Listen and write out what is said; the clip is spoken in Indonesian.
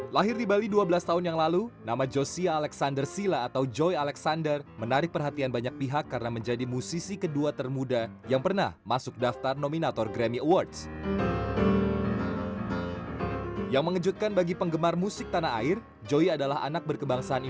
lagi lagi joey alexander menemui penggemar penggemar yang lain